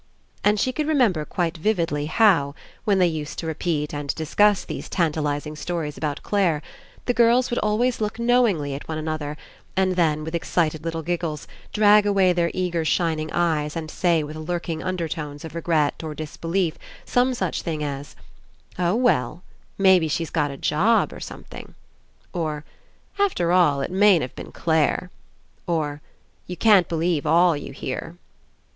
And she could remember quite vividly how, when they used to repeat and discuss these 25 PASSING tantalizing stories about Clare, the girls would always look knowingly at one another and then, with little excited giggles, drag away their eager shining eyes and say with lurking under tones of regret or disbelief some such thing as: "Oh, well, maybe she's got a job or something," or "After all, it mayn't have been Clare," or "You can't believe all you hear."